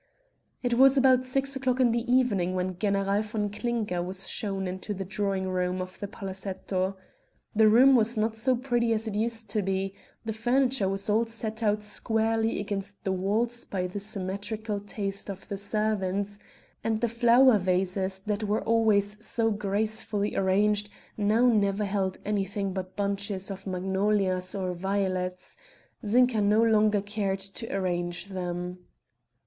It was about six o'clock in the evening when General von Klinger was shown into the drawing room of the palazetto. The room was not so pretty as it used to be; the furniture was all set out squarely against the walls by the symmetrical taste of the servants, and the flower vases that were always so gracefully arranged now never held anything but bunches of magnolias or violets; Zinka no longer cared to arrange them.